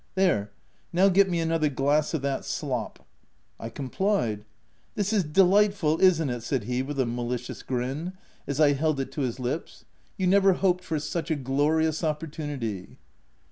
" There— • now, get me another glass of that slop." I complied, " This is delightful I isn't it?" said he with a malicious grin, as I held it to his OF WILDFELL HALT.. 20/ lips — "you never hoped for such a glorious opportunity